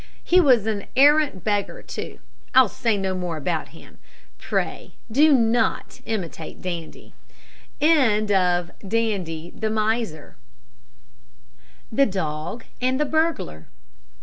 He was an arrant beggar too. I'll say no more about him. Pray do not imitate Dandie. THE DOG AND THE BURGLAR.